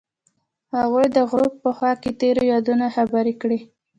هغوی د غروب په خوا کې تیرو یادونو خبرې کړې.